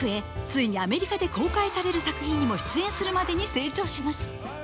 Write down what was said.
ついにアメリカで公開される作品にも出演するまでに成長します。